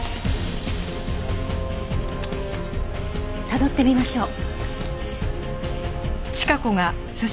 たどってみましょう。